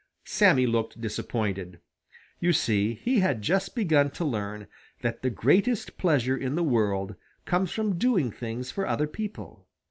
Sammy looked disappointed. You see he had just begun to learn that the greatest pleasure in the world comes from doing things for other people.